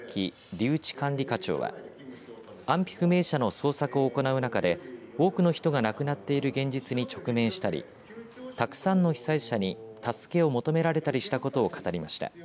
留置管理課長は安否不明者の捜索を行う中で多くの人が亡くなっている現実に直面したりたくさんの被災者に助けを求められたりしたことを語りました。